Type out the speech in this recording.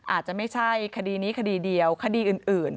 อาจจะไม่ใช่คดีนี้คดีเดียวคดีอื่น